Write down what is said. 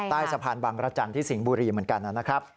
ใต้สะพานบังรจันทร์ที่สิงห์บุรีเหมือนกันนะครับ